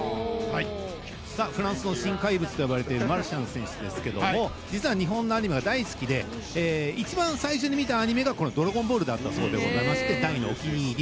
フランスの新怪物と呼ばれるマルシャン選手ですが実は日本のアニメが大好きで一番最初に見たアニメが「ドラゴンボール」だったそうで大のお気に入り。